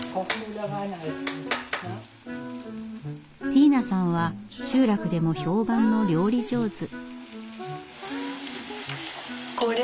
ティーナさんは集落でも評判の料理上手。